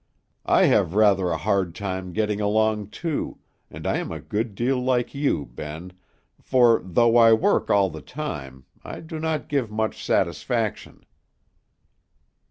I have rather a hard time getting along, too, and I am a good deal like you, Ben, for, though I work all the time, I do not give much satisfaction."